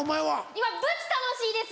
今ぶち楽しいです！